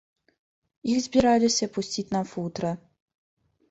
Іх збіраліся пусціць на футра.